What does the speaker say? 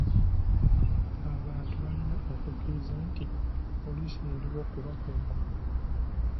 Abantu balina okukkiriza nti poliisi eriwo kubakuuma.